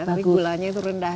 tapi gulanya itu rendah